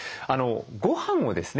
ごはんをですね